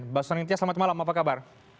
mbak susani intias selamat malam apa kabar